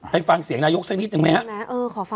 ไปฟังเสียงนายกสักนิดหนึ่งไหมครับ